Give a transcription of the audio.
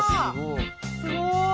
すごい！